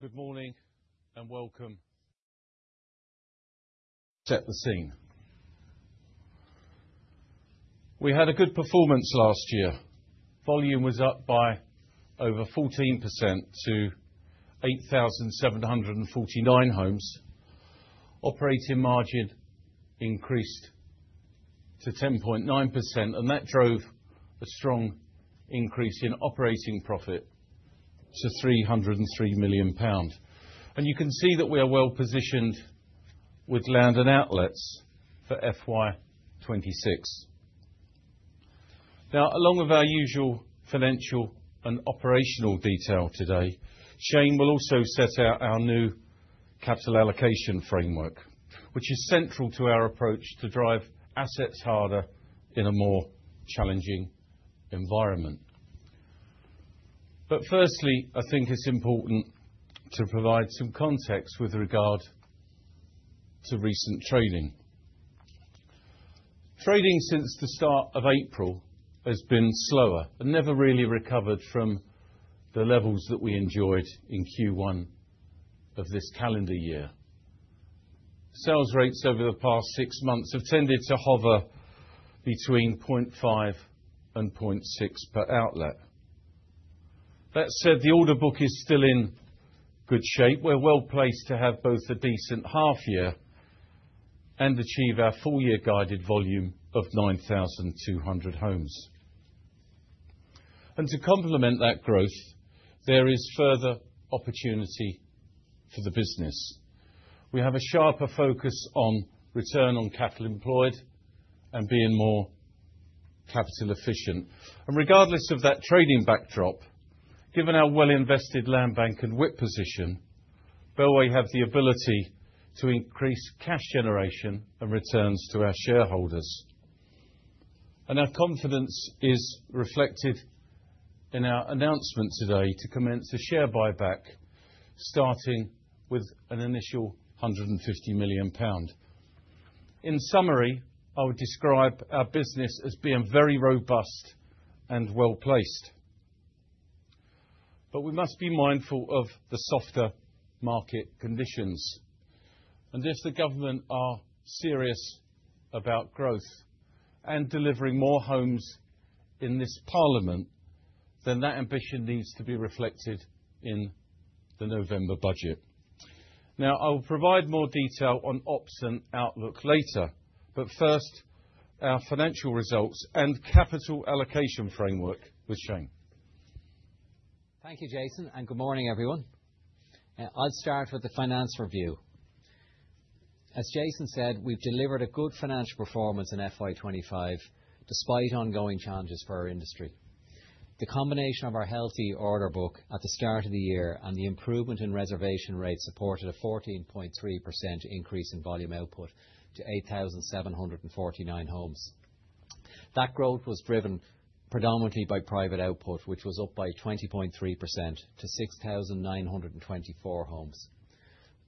Good morning and welcome. Set the scene. We had a good performance last year. Volume was up by over 14% to 8,749 homes. Operating margin increased to 10.9%, and that drove a strong increase operating profit to 303 million pounds. And you can see that we are well positioned with land and outlets for FY26. Now, along with our usual financial and operational detail today, Shane will also set out our capital allocation framework, which is central to our approach to drive assets harder in a more challenging environment. But firstly, I think it's important to provide some context with regard to recent trading. Trading since the start of April 2024 has been slower and never really recovered from the levels that we enjoyed in Q1 of this calendar year. Sales rates over the past six months have tended to hover between 0.5 and 0.6 per outlet. That said, the order book is still in good shape. We're well placed to have both a decent half-year and achieve our full-year guided volume of 9,200 homes. And to complement that growth, there is further opportunity for the business. We have a sharper focus on Return on Capital Employed and being more capital efficient. And regardless of that trading backdrop, given our well-invested land bank and WIP position, Bellway have the ability to cash generation and returns to our shareholders. And our confidence is reflected in our announcement today to commence share buyback starting with an initial 150 million pound. In summary, I would describe our business as being very robust and well placed. But we must be mindful of the softer market conditions. And if the Government are serious about growth and delivering more homes in this Parliament, then that ambition needs to be reflected in the November Budget. Now, I will provide more detail on ops and outlook later, but first, our financial results capital allocation framework with Shane. Thank you, Jason, and good morning, everyone. I'd start with the finance review. As Jason said, we've delivered a good financial performance in FY25 despite ongoing challenges for our industry. The combination of our healthy order book at the start of the year and the improvement in reservation rates supported a 14.3% increase volume output to 8,749 homes. That growth was driven predominantly by private output, which was up by 20.3% to 6,924 homes.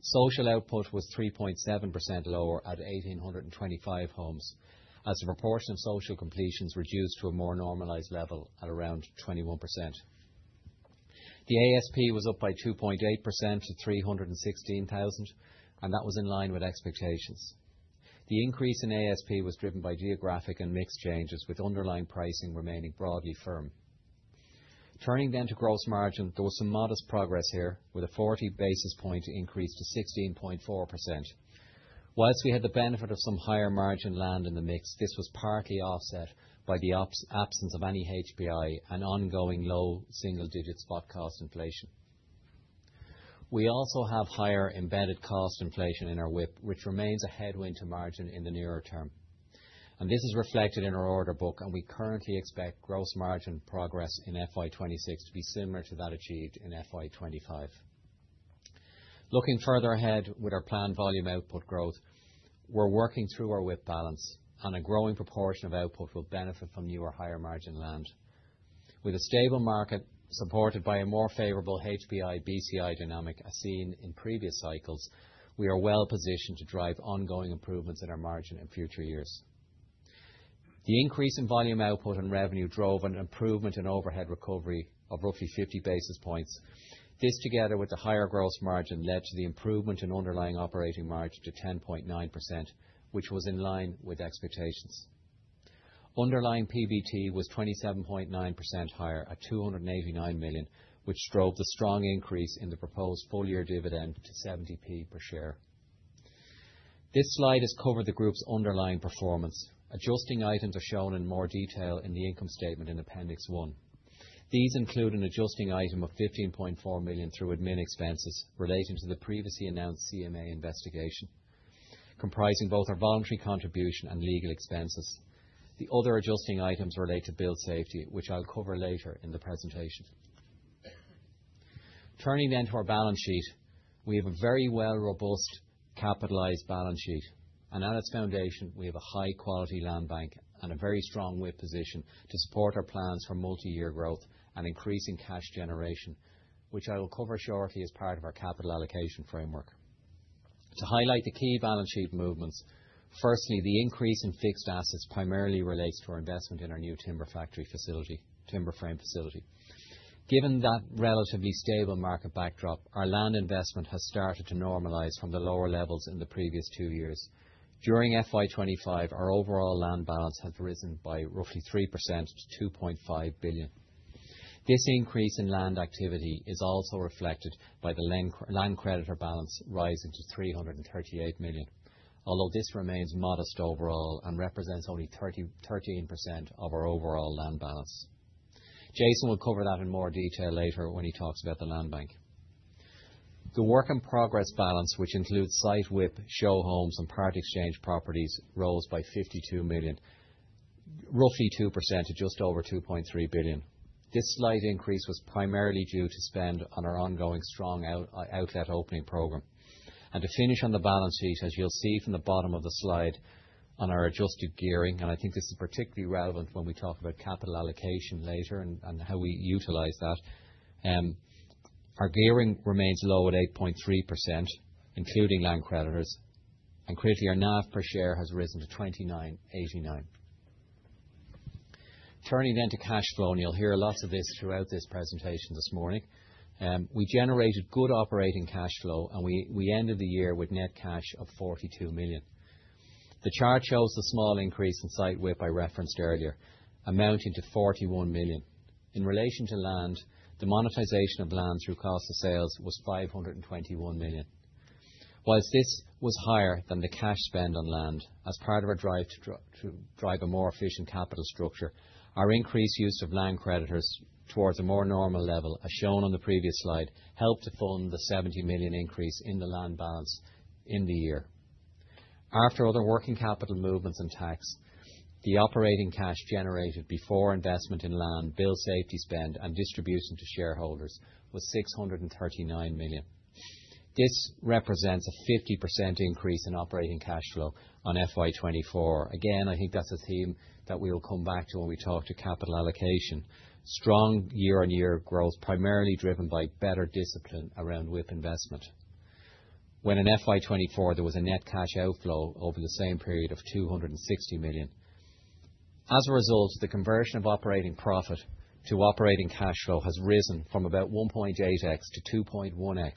Social output was 3.7% lower at 1,825 homes, as the proportion of social completions reduced to a more normalized level at around 21%. The ASP was up by 2.8% to 316,000, and that was in line with expectations. The increase in ASP was driven by geographic and mixed changes, with underlying pricing remaining broadly firm. Turning then to gross margin, there was some modest progress here, with a 40 basis point increase to 16.4%. While we had the benefit of some higher margin land in the mix, this was partly offset by the absence of any HPI and ongoing low single-digit spot cost inflation. We also have higher embedded cost inflation in our WIP, which remains a headwind to margin in the nearer term, and this is reflected in our order book, and we currently expect gross margin progress in FY26 to be similar to that achieved in FY25. Looking further ahead with our volume output growth, we're working through our WIP balance, and a growing proportion of output will benefit from newer higher margin land. With a stable market supported by a more favorable HPI-BCI dynamic as seen in previous cycles, we are well positioned to drive ongoing improvements in our margin in future years. The increase volume output and revenue drove an improvement in overhead recovery of roughly 50 basis points. This, together with the higher gross margin, led to the improvement in underlying operating margin to 10.9%, which was in line with expectations. Underlying PBT was 27.9% higher at 289 million, which drove the strong increase in the proposed full-year dividend to 0.70 per share. This slide has covered the Group's underlying performance. Adjusting items are shown in more detail in the income statement in Appendix 1. These include an adjusting item of 15.4 million through admin expenses relating to the previously announced CMA investigation, comprising both our voluntary contribution and legal expenses. The other adjusting items relate to building safety, which I'll cover later in the presentation. Turning then to our balance sheet, we have a very well robust capitalized balance sheet, and at its foundation, we have a high-quality land bank and a very strong WIP position to support our plans for multi-year growth and cash generation, which I will cover shortly as part of capital allocation framework. To highlight the key balance sheet movements, firstly, the increase in fixed assets primarily relates to our investment in our new timber factory facility, timber frame facility. Given that relatively stable market backdrop, our land investment has started to normalize from the lower levels in the previous two years. During FY25, our overall land balance has risen by roughly 3% to 2.5 billion. This increase in land activity is also reflected by the land creditor balance rising to 338 million, although this remains modest overall and represents only 13% of our overall land balance. Jason will cover that in more detail later when he talks about the land bank. The work-in-progress balance, which includes site WIP, show homes, and part exchange properties, rose by 52 million, roughly 2% to just over 2.3 billion. This slight increase was primarily due to spend on our ongoing strong outlet opening program. And to finish on the balance sheet, as you'll see from the bottom of the slide on our adjusted gearing, and I think this is particularly relevant when we talk capital allocation later and how we utilize that, our gearing remains low at 8.3%, including land creditors, and critically, our NAV per share has risen to 29.89. Turning then to cash flow, and you'll hear lots of this throughout this presentation this morning, we generated good operating cash flow, and we ended the year with net cash of 42 million. The chart shows the small increase in site WIP I referenced earlier, amounting to 41 million. In relation to land, the monetization of land through cost of sales was 521 million. While this was higher than the cash spend on land, as part of our drive to drive a more efficient capital structure, our increased use of land creditors towards a more normal level, as shown on the previous slide, helped to fund the 70 million increase in the land balance in the year. After other working capital movements and tax, the operating cash generated before investment in land, building safety spend, and distribution to shareholders was 639 million. This represents a 50% increase in operating cash flow on FY24. Again, I think that's a theme that we'll come back to when we talk capital allocation. Strong year-on-year growth, primarily driven by better discipline around WIP investment. When in FY24, there was a net cash outflow over the same period of 260 million. As a result, the conversion of operating profit to operating cash flow has risen from about 1.8x to 2.1x,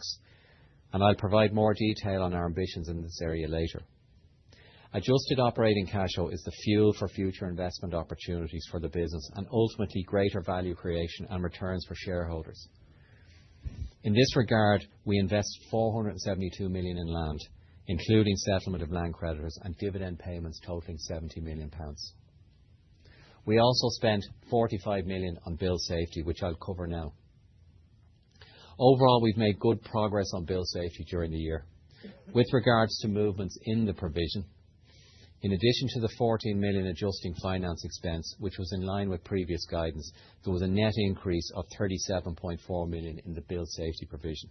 and I'll provide more detail on our ambitions in this area later. Adjusted operating cash flow is the fuel for future investment opportunities for the business and ultimately value creation and returns for shareholders. In this regard, we invest 472 million in land, including settlement of land creditors and dividend payments totaling 70 million pounds. We also spent 45 million on building safety, which I'll cover now. Overall, we've made good progress on building safety during the year. With regards to movements in the provision, in addition to the 14 million adjusting finance expense, which was in line with previous guidance, there was a net increase of 37.4 million in the building safety provision.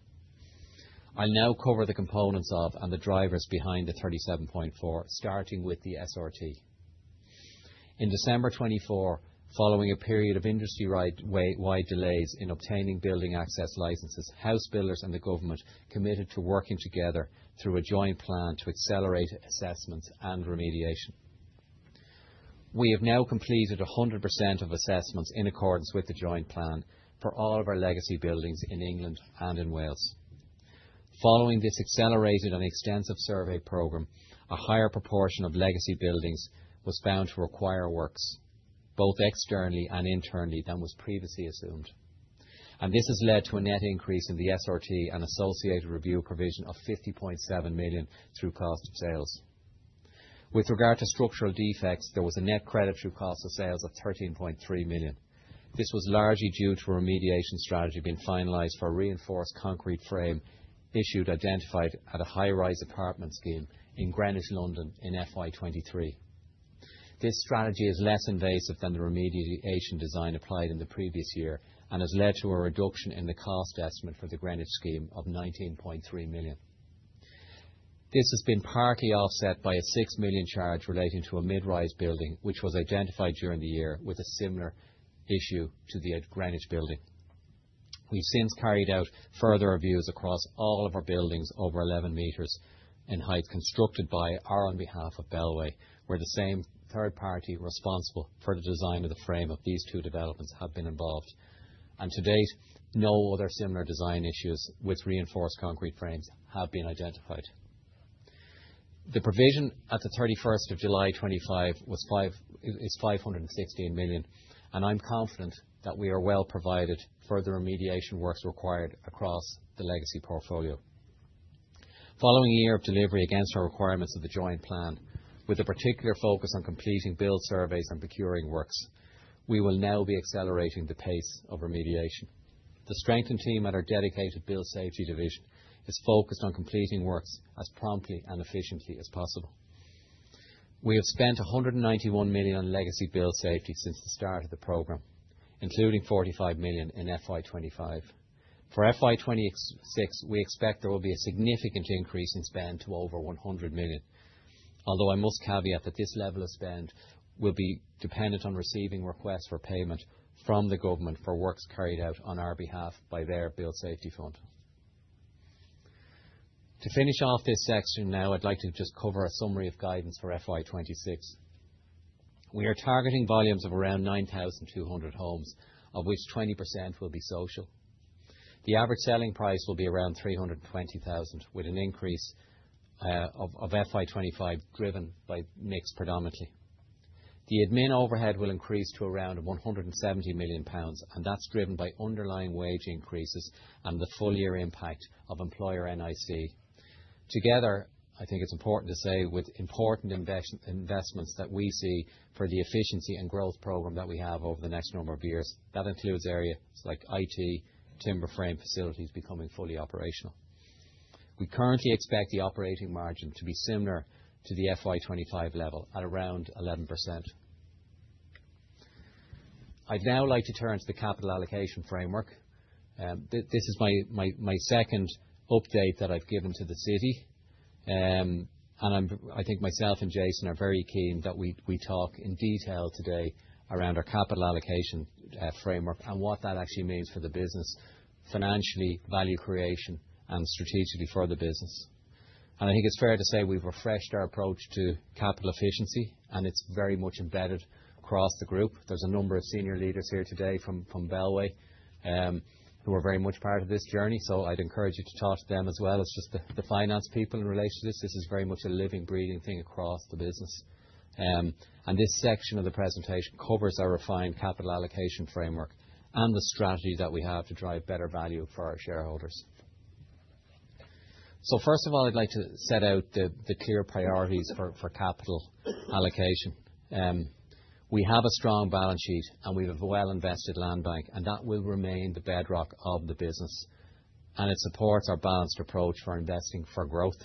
I'll now cover the components of and the drivers behind the 37.4, starting with the SRT. In December 2024, following a period of industry-wide delays in obtaining building access licenses, house builders and the Government committed to working together through a joint plan to accelerate assessments and remediation. We have now completed 100% of assessments in accordance with the joint plan for all of our legacy buildings in England and in Wales. Following this accelerated and extensive survey program, a higher proportion of legacy buildings was found to require works, both externally and internally, than was previously assumed, and this has led to a net increase in the SRT and associated review provision of 50.7 million through cost of sales. With regard to structural defects, there was a net credit through cost of sales of 13.3 million. This was largely due to a remediation strategy being finalized for a reinforced concrete frame issue identified at a high-rise apartment scheme in Greenwich, London, in FY23. This strategy is less invasive than the remediation design applied in the previous year and has led to a reduction in the cost estimate for the Greenwich scheme of 19.3 million. This has been partly offset by a 6 million charge relating to a mid-rise building, which was identified during the year with a similar issue to the Greenwich building. We've since carried out further reviews across all of our buildings over 11 meters in height constructed by or on behalf of Bellway, where the same third party responsible for the design of the frame of these two developments have been involved, and to date, no other similar design issues with reinforced concrete frames have been identified. The provision at the 31 July 2025 is 516 million, and I'm confident that we are well provided for the remediation works required across the legacy portfolio. Following a year of delivery against our requirements of the joint plan, with a particular focus on completing build surveys and procuring works, we will now be accelerating the pace of remediation. The strengthened team at our dedicated building safety division is focused on completing works as promptly and efficiently as possible. We have spent 191 million on legacy building safety since the start of the program, including 45 million in FY25. For FY26, we expect there will be a significant increase in spend to over 100 million, although I must caveat that this level of spend will be dependent on receiving requests for payment from the Government for works carried out on our behalf by their Building Safety Fund. To finish off this section now, I'd like to just cover a summary of guidance for FY26. We are targeting volumes of around 9,200 homes, of which 20% will be social. The average selling price will be around 320,000, with an increase of FY25 driven by mixed predominantly. The admin overhead will increase to around 170 million pounds, and that's driven by underlying wage increases and the full-year impact of employer NIC. Together, I think it's important to say, with important investments that we see for the efficiency and growth program that we have over the next number of years, that includes areas like IT, timber frame facilities becoming fully operational. We currently expect the operating margin to be similar to the FY25 level at around 11%. I'd now like to turn to capital allocation framework. This is my second update that I've given to the city, and I think myself and Jason are very keen that we talk in detail today around capital allocation framework and what that actually means for the business, value creation, and strategically for the business. And I think it's fair to say we've refreshed our approach to capital efficiency, and it's very much embedded across the Group. There's a number of senior leaders here today from Bellway who are very much part of this journey, so I'd encourage you to talk to them as well as just the finance people in relation to this. This is very much a living, breathing thing across the business. And this section of the presentation covers our capital allocation framework and the strategy that we have to drive better value for our shareholders. So first of all, I'd like to set out the clear priorities for capital allocation. We have a strong balance sheet, and we have a well-invested land bank, and that will remain the bedrock of the business. And it supports our balanced approach for investing for growth.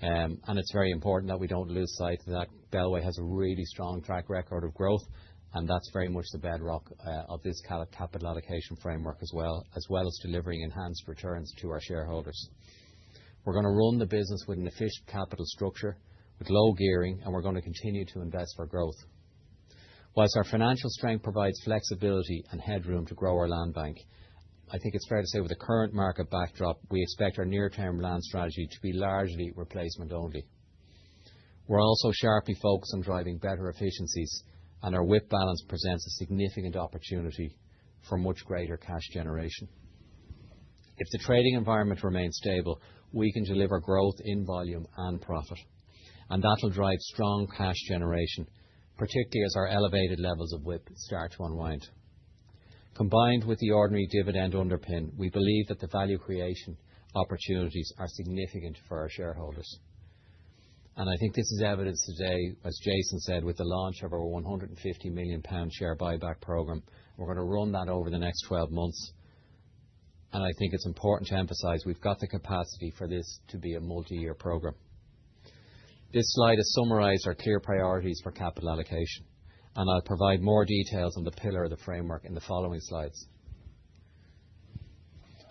And it's very important that we don't lose sight of that. Bellway has a really strong track record of growth, and that's very much the bedrock of capital allocation framework as well, as well as delivering enhanced returns to our shareholders. We're going to run the business with an efficient capital structure with low gearing, and we're going to continue to invest for growth. While our financial strength provides flexibility and headroom to grow our land bank, I think it's fair to say with the current market backdrop, we expect our near-term land strategy to be largely replacement only. We're also sharply focused on driving better efficiencies, and our WIP balance presents a significant opportunity for much cash generation. If the trading environment remains stable, we can deliver growth in volume and profit, and that'll drive cash generation, particularly as our elevated levels of WIP start to unwind. Combined with the ordinary dividend underpin, we believe that value creation opportunities are significant for our shareholders, and I think this is evidenced today, as Jason said, with the launch of our 150 million pound share buyback program. We're going to run that over the next 12 months, and I think it's important to emphasize we've got the capacity for this to be a multi-year program. This slide has summarized our clear priorities for capital allocation, and I'll provide more details on the pillar of the framework in the following slides.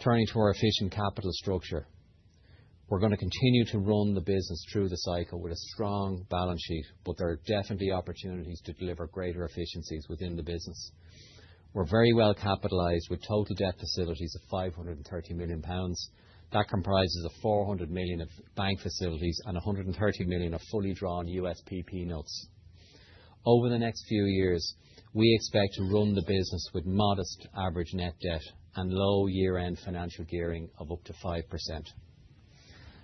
Turning to our efficient capital structure, we're going to continue to run the business through the cycle with a strong balance sheet, but there are definitely opportunities to deliver greater efficiencies within the business. We're very well capitalized with total debt facilities of 530 million pounds. That comprises 400 million of bank facilities and 130 million of fully drawn USPP notes. Over the next few years, we expect to run the business with modest average net debt and low year-end financial gearing of up to 5%.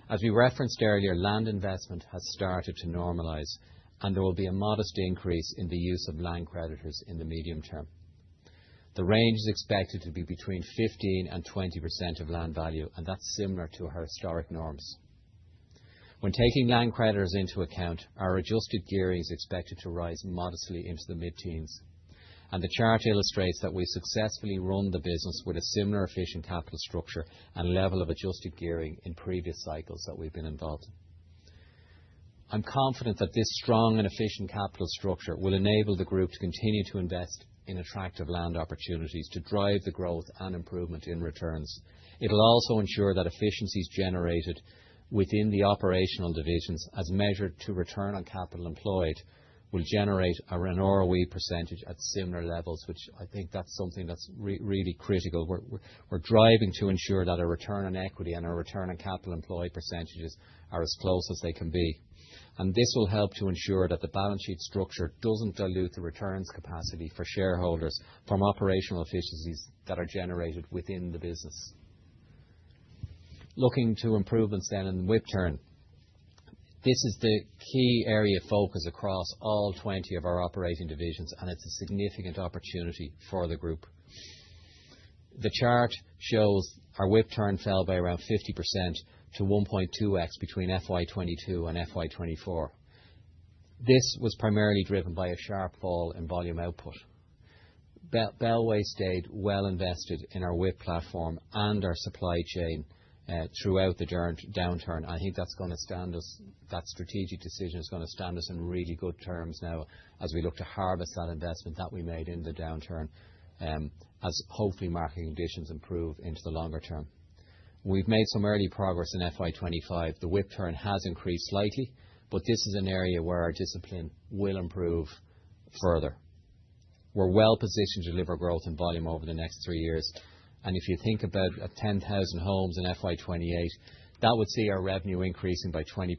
As we referenced earlier, land investment has started to normalize, and there will be a modest increase in the use of land creditors in the medium term. The range is expected to be between 15% and 20% of land value, and that's similar to our historic norms. When taking land creditors into account, our adjusted gearing is expected to rise modestly into the mid-teens. And the chart illustrates that we've successfully run the business with a similar efficient capital structure and level of adjusted gearing in previous cycles that we've been involved in. I'm confident that this strong and efficient capital structure will enable the Group to continue to invest in attractive land opportunities to drive the growth and improvement in returns. It'll also ensure that efficiencies generated within the operational divisions, as measured to return on capital employed, will generate a ROCE, ROE percentage at similar levels, which I think that's something that's really critical. We're driving to ensure that our Return on Equity and our return on capital employed percentages are as close as they can be. And this will help to ensure that the balance sheet structure doesn't dilute the returns capacity for shareholders from operational efficiencies that are generated within the business. Looking to improvements then in the WIP turn, this is the key area of focus across all 20 of our operating divisions, and it's a significant opportunity for the Group. The chart shows our WIP turn fell by around 50% to 1.2x between FY22 and FY24. This was primarily driven by a sharp fall in volume output. Bellway stayed well invested in our WIP platform and our supply chain throughout the downturn. I think that strategic decision is going to stand us in really good stead now as we look to harvest that investment that we made in the downturn as hopefully market conditions improve into the longer term. We've made some early progress in FY25. The WIP turn has increased slightly, but this is an area where our discipline will improve further. We're well positioned to deliver growth in volume over the next three years. And if you think about 10,000 homes in FY28, that would see our revenue increasing by 20%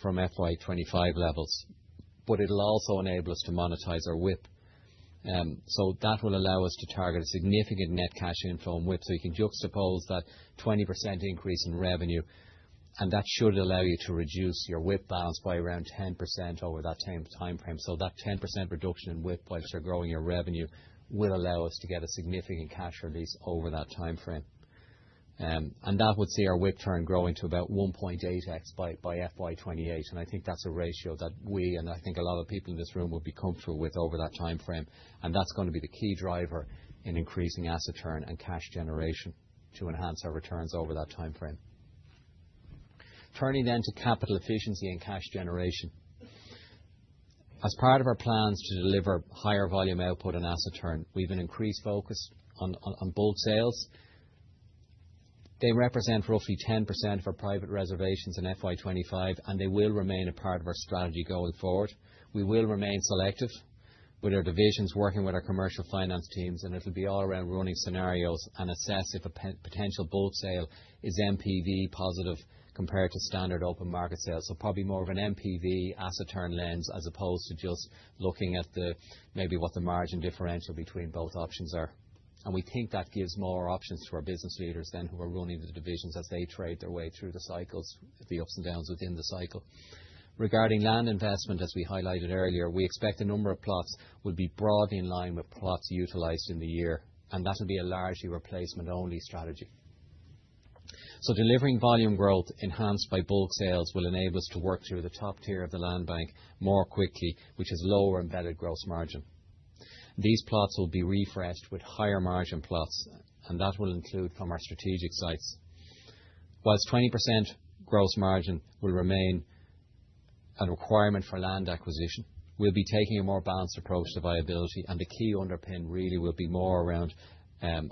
from FY25 levels, but it'll also enable us to monetize our WIP. So that will allow us to target a significant net cash inflow in WIP, so you can juxtapose that 20% increase in revenue, and that should allow you to reduce your WIP balance by around 10% over that time frame. So that 10% reduction in WIP by which we're growing your revenue will allow us to get a significant cash release over that time frame. And that would see our WIP turn growing to about 1.8x by FY28. And I think that's a ratio that we, and I think a lot of people in this room, would be comfortable with over that time frame. And that's going to be the key driver in increasing asset turn cash generation to enhance our returns over that time frame. Turning then to capital efficiency cash generation. As part of our plans to deliver volume output on asset turn, we've been increasingly focused on bulk sales. They represent roughly 10% of our private reservations in FY25, and they will remain a part of our strategy going forward. We will remain selective with our divisions working with our commercial finance teams, and it'll be all around running scenarios and assess if a potential bulk sale is NPV positive compared to standard open market sales. So probably more of an NPV asset turn lens as opposed to just looking at maybe what the margin differential between both options are. And we think that gives more options to our business leaders than who are running the divisions as they trade their way through the cycles, the ups and downs within the cycle. Regarding land investment, as we highlighted earlier, we expect a number of plots would be broadly in line with plots utilized in the year, and that'll be a largely replacement-only strategy, so delivering volume growth enhanced by bulk sales will enable us to work through the top tier of the land bank more quickly, which is lower embedded gross margin. These plots will be refreshed with higher margin plots, and that will include from our strategic sites. While 20% gross margin will remain a requirement for land acquisition, we'll be taking a more balanced approach to viability, and the key underpin really will be more around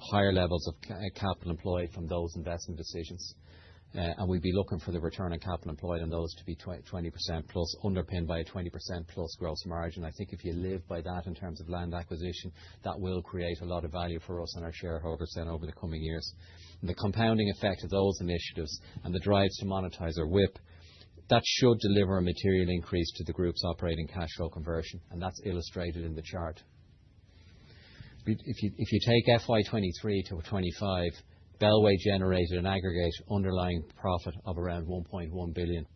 higher levels of capital employed from those investment decisions. And we'll be looking for the return on capital employed on those to be 20% plus underpinned by a 20% plus gross margin. I think if you live by that in terms of land acquisition, that will create a lot of value for us and our shareholders then over the coming years. The compounding effect of those initiatives and the drives to monetize our WIP, that should deliver a material increase to the Group's operating cash flow conversion, and that's illustrated in the chart. If you take FY23 to FY25, Bellway generated an aggregate underlying profit of around 1.1 billion.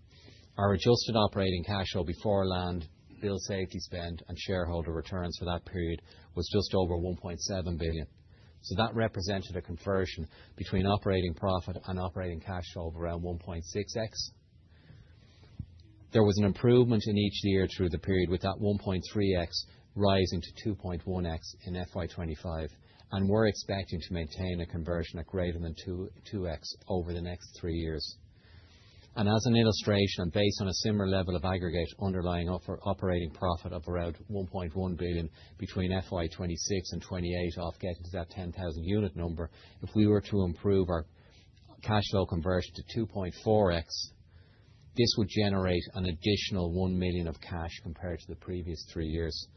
Our adjusted operating cash flow before land, building safety spend, and shareholder returns for that period was just over 1.7 billion. So that represented a conversion between operating profit and operating cash flow of around 1.6x. There was an improvement in each year through the period with that 1.3x rising to 2.1x in FY25, and we're expecting to maintain a conversion at greater than 2x over the next three years, and as an illustration, based on a similar level of aggregate operating profit of around 1.1 billion between FY26 and FY28 after getting to that 10,000 unit number, if we were to improve our cash flow conversion to 2.4x, this would generate an additional 1 million of cash compared to the previous three years.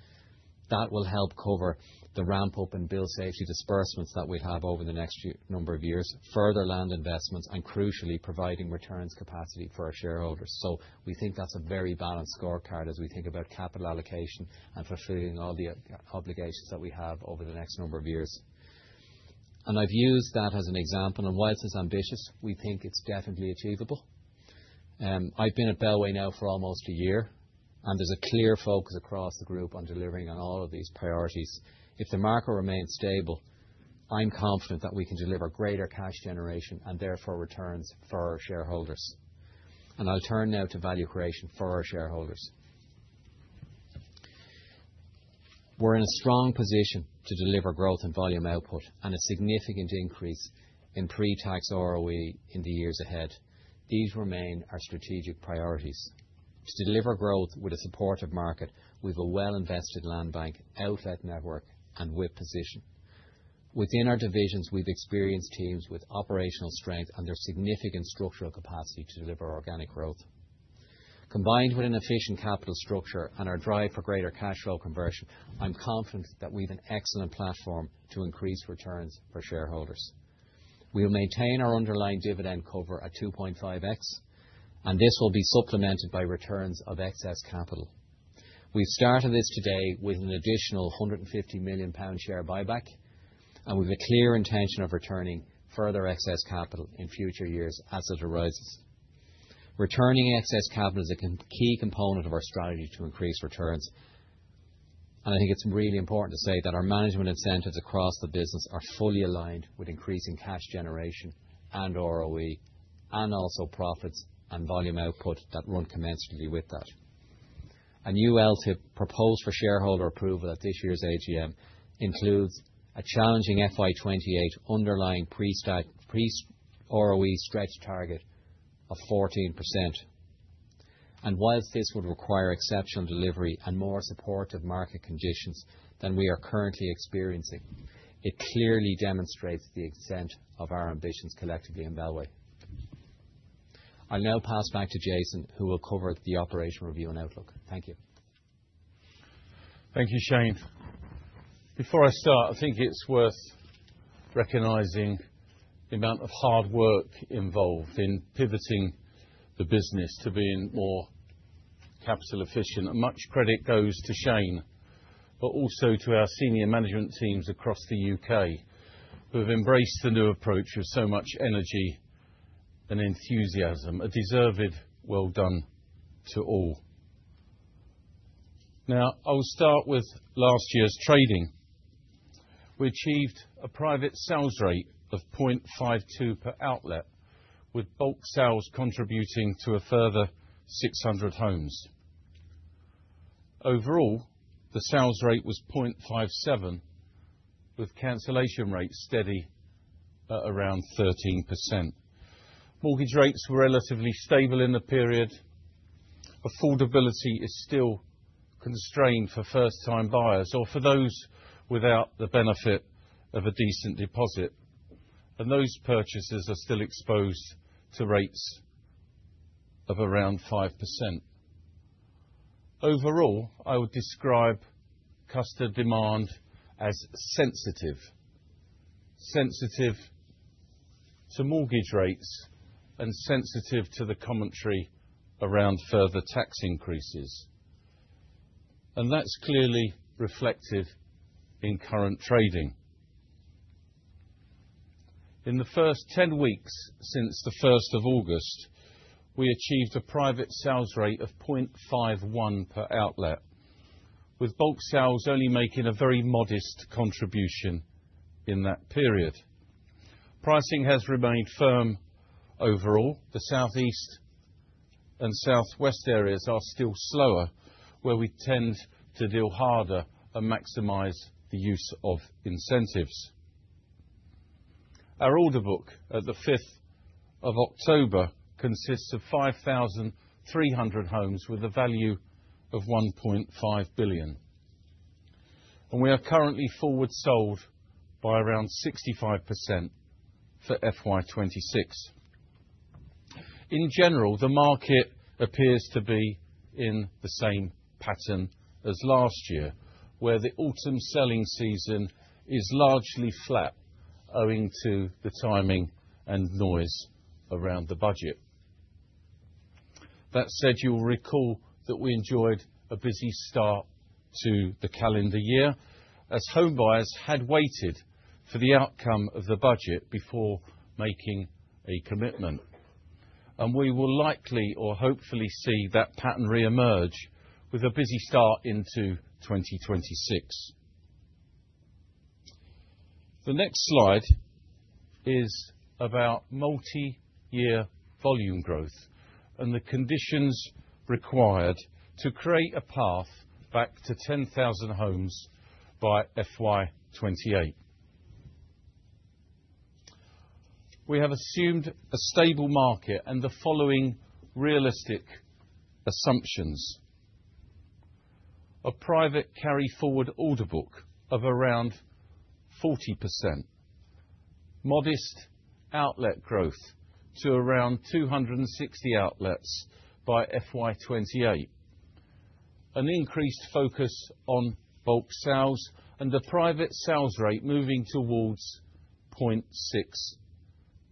That will help cover the ramp-up in building safety disbursements that we have over the next number of years, further land investments, and crucially, providing returns capacity for our shareholders, so we think that's a very balanced scorecard as we think capital allocation and fulfilling all the obligations that we have over the next number of years. And I've used that as an example, and whilst it's ambitious, we think it's definitely achievable. I've been at Bellway now for almost a year, and there's a clear focus across the Group on delivering on all of these priorities. If the market remains stable, I'm confident that we can deliver cash generation and therefore returns for our shareholders. And I'll turn now value creation for our shareholders. We're in a strong position to deliver growth volume output and a significant increase in pre-tax ROE in the years ahead. These remain our strategic priorities. To deliver growth with a supportive market, we've a well-invested land bank, outlet network, and WIP position. Within our divisions, we've experienced teams with operational strength and their significant structural capacity to deliver organic growth. Combined with an efficient capital structure and our drive for greater cash flow conversion, I'm confident that we've an excellent platform to increase returns for shareholders. We'll maintain our dividend cover at 2.5x, and this will be supplemented by returns excess capital. We've started this today with an additional 150 million pound share buyback, and we've a clear intention of returning excess capital in future years as it arises. excess capital is a key component of our strategy to increase returns, and I think it's really important to say that management incentives across the business are fully aligned with cash generation and ROE, and also profits volume output that run commensurately with that. A new LTIP proposed for shareholder approval at this year's AGM includes a challenging FY28 underlying pre-tax ROE stretch target of 14%. While this would require exceptional delivery and more supportive market conditions than we are currently experiencing, it clearly demonstrates the extent of our ambitions collectively in Bellway. I'll now pass back to Jason, who will cover the operational review and outlook. Thank you. Thank you, Shane. Before I start, I think it's worth recognizing the amount of hard work involved in pivoting the business to being more capital efficient. And much credit goes to Shane, but also to our senior management teams across the U.K., who have embraced the new approach with so much energy and enthusiasm. A deserved well done to all. Now, I'll start with last year's trading. We achieved a private sales rate of 0.52 per outlet, with bulk sales contributing to a further 600 homes. Overall, the sales rate was 0.57, with cancellation rates steady at around 13%. Mortgage rates were relatively stable in the period. Affordability is still constrained for first-time buyers or for those without the benefit of a decent deposit, and those purchases are still exposed to rates of around 5%. Overall, I would describe customer demand as sensitive, sensitive to mortgage rates and sensitive to the commentary around further tax increases. And that's clearly reflective in current trading. In the first 10 weeks since the 1 August 2024, we achieved a private sales rate of 0.51 per outlet, with bulk sales only making a very modest contribution in that period. Pricing has remained firm overall. The Southeast and Southwest areas are still slower, where we tend to deal harder and maximize the use of incentives. Our order book at the 5 October 2024 consists of 5,300 homes with a value of 1.5 billion. And we are currently forward sold by around 65% for FY26. In general, the market appears to be in the same pattern as last year, where the autumn selling season is largely flat, owing to the timing and noise around the Budget. That said, you'll recall that we enjoyed a busy start to the calendar year as homebuyers had waited for the outcome of the budget before making a commitment. And we will likely or hopefully see that pattern reemerge with a busy start into 2026. The next slide is about multi-year volume growth and the conditions required to create a path back to 10,000 homes by FY28. We have assumed a stable market and the following realistic assumptions: a private carry-forward order book of around 40%, modest outlet growth to around 260 outlets by FY28, an increased focus on bulk sales and the private sales rate moving towards 0.6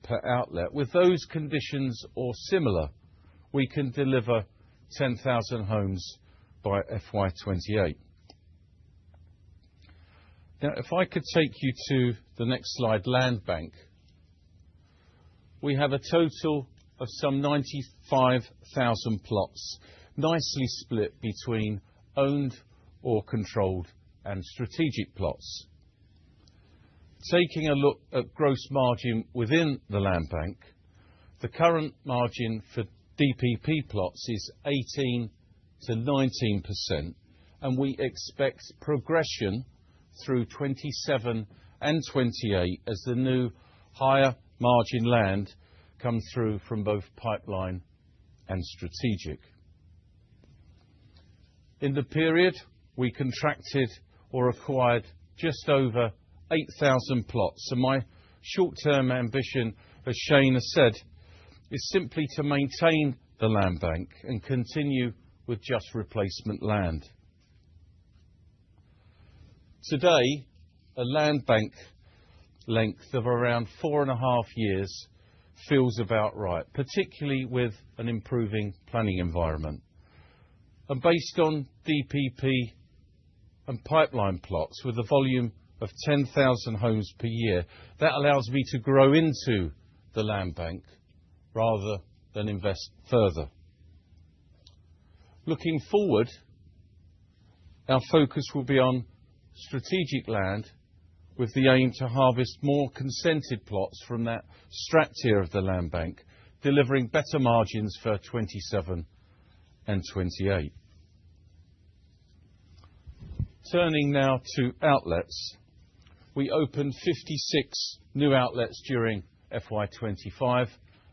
per outlet. With those conditions or similar, we can deliver 10,000 homes by FY28. Now, if I could take you to the next slide, Land Bank. We have a total of some 95,000 plots, nicely split between owned or controlled and strategic plots. Taking a look at gross margin within the land bank, the current margin for DPP plots is 18% to 19%, and we expect progression through 2027 and 2028 as the new higher margin land comes through from both pipeline and strategic. In the period, we contracted or acquired just over 8,000 plots, and my short-term ambition, as Shane has said, is simply to maintain the land bank and continue with just replacement land. Today, a land bank length of around four and a half years feels about right, particularly with an improving planning environment, and based on DPP and pipeline plots with a volume of 10,000 homes per year, that allows me to grow into the land bank rather than invest further. Looking forward, our focus will be on strategic land with the aim to harvest more consented plots from that strat tier of the land bank, delivering better margins for 27 and 28. Turning now to outlets, we opened 56 new outlets during FY25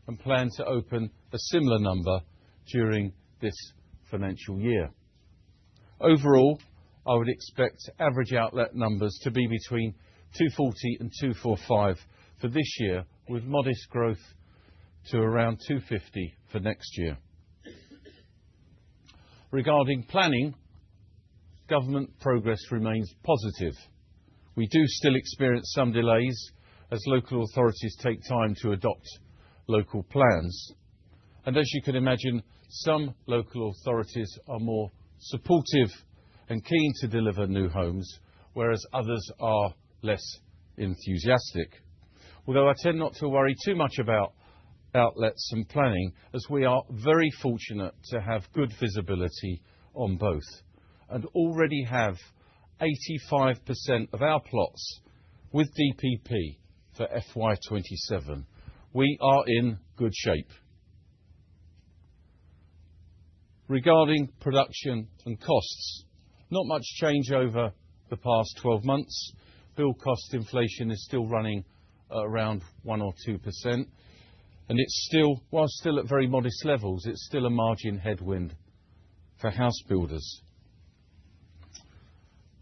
and plan to open a similar number during this financial year. Overall, I would expect average outlet numbers to be between 240 and 245 for this year, with modest growth to around 250 for next year. Regarding planning, Government progress remains positive. We do still experience some delays as local authorities take time to adopt local plans, and as you can imagine, some local authorities are more supportive and keen to deliver new homes, whereas others are less enthusiastic. Although I tend not to worry too much about outlets and planning, as we are very fortunate to have good visibility on both and already have 85% of our plots with DPP for FY27, we are in good shape. Regarding production and costs, not much change over the past 12 months. Build cost inflation is still running at around 1%-2%, and while still at very modest levels, it's still a margin headwind for house builders,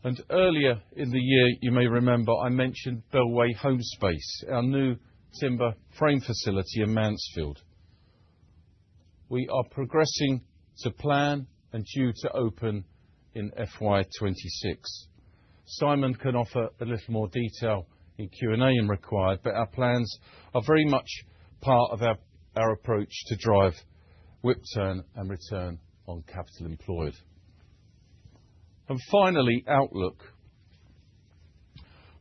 and earlier in the year, you may remember I mentioned Bellway Home Space, our new timber frame facility in Mansfield. We are progressing to plan and due to open in FY26. Simon can offer a little more detail in Q&A if required, but our plans are very much part of our approach to drive WIP turn and Return on Capital Employed. And finally, outlook.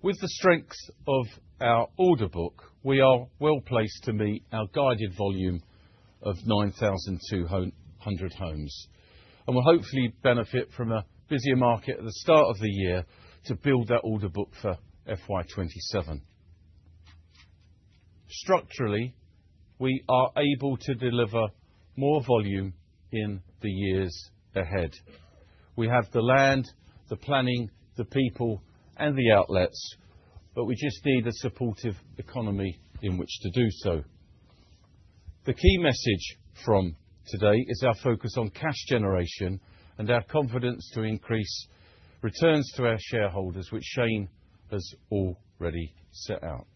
With the strength of our order book, we are well placed to meet our guided volume of 9,200 homes. And we'll hopefully benefit from a busier market at the start of the year to build that order book for FY27. Structurally, we are able to deliver more volume in the years ahead. We have the land, the planning, the people, and the outlets, but we just need a supportive economy in which to do so. The key message from today is our focus cash generation and our confidence to increase returns to our shareholders, which Shane has already set out.